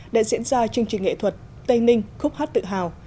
đã diễn ra chương trình nghệ thuật tây ninh khúc hát tự hào